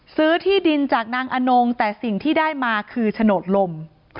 ซื้อที่ดินจากนางอนงแต่สิ่งที่ได้มาคือโฉนดลม